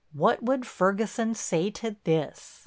What would Ferguson say to this?